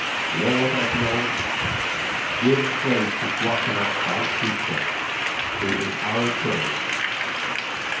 Lord of lords, give grace to Guatemoc thy creature, who is our choice.